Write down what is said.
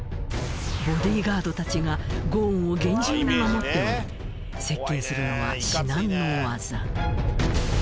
ボディガードたちがゴーンを厳重に守っており接近するのは至難の業。